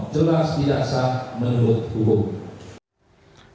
jelas tidak sah menurut hukum